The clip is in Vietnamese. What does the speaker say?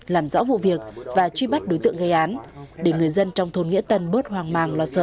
làm rõ vụ việc và truy bắt đối tượng gây án để người dân trong thôn nghĩa tân bớt hoàng màng lo sợ